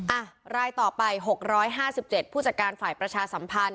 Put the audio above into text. อ่ะรายต่อไป๖๕๗ผู้จัดการฝ่ายประชาสัมพันธ์